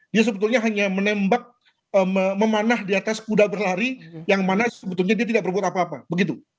dia sebetulnya hanya menembak memanah di atas kuda berlari yang mana sebetulnya dia tidak berbuat apa apa begitu